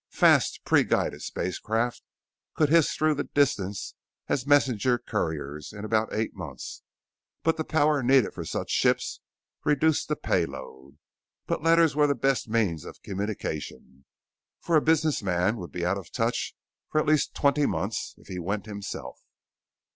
Fast, pre guided spacecraft could hiss through the distance as message couriers in about eight months, but the power needed for such ships reduced the payload. But letters were the best means of communication, for a business man would be out of touch for at least twenty months if he went himself.